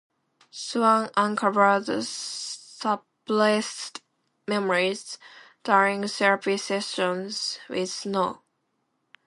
Swan uncovered suppressed memories during therapy sessions with Snow.